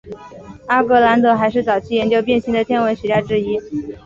阿格兰德还是早期研究变星的天文学家之一。